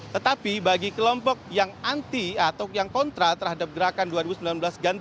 tetapi bagi kelompok yang anti atau yang kontra terhadap gerakan dua ribu sembilan belas ganti